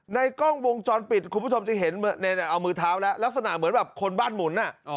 ในกล้องวงจรปิดคุณผู้ชมจะเห็นเอามือเท้าแล้วลักษณะเหมือนแบบคนบ้านหมุน